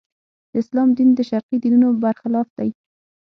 د اسلام دین د شرقي دینونو برخلاف دی.